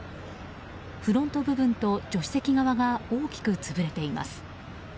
フロント部分と助手席側が大きく潰れています。